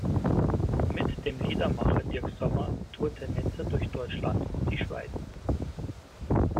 Mit dem Liedermacher Dirk Sommer tourte Netzer durch Deutschland und die Schweiz.